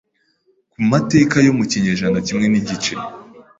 ku mateka yo mu kinyejana Kimwe nigice